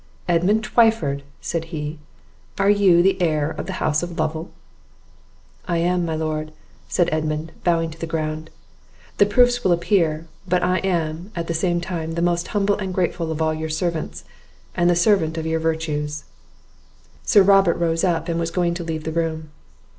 "Edmund Twyford," said he, "are you the heir of the house of Lovel?" "I am, my Lord," said Edmund, bowing to the ground; "the proofs will appear; but I am, at the same time, the most humble and grateful of all your servants, and the servant of your virtues." Sir Robert rose up, and was going to leave the room.